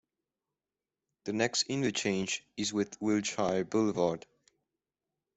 The next interchange is with Wilshire Boulevard.